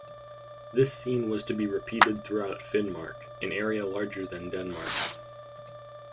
This scene was to be repeated throughout Finnmark, an area larger than Denmark.